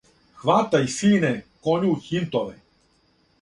Хватај, сине, коње у хинтове,